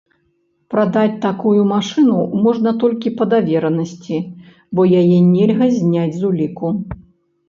Прадаць такую машыну можна толькі па даверанасці, бо яе нельга зняць з уліку.